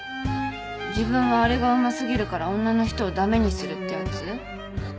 自分はあれがうますぎるから女の人をだめにするってやつ？